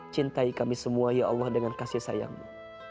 cintai kami semua ya allah dengan kasih sayangmu